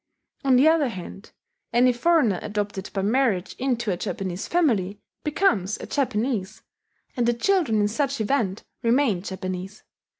On the other hand, any foreigner adopted by marriage into a Japanese family becomes a Japanese; and the children in such event remain Japanese.